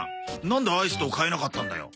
なんでアイスと換えなかったんだよ？